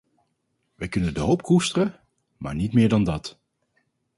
Wij kunnen de hoop koesteren, maar niet meer dan dat!